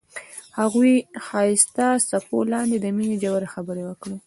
هغوی د ښایسته څپو لاندې د مینې ژورې خبرې وکړې.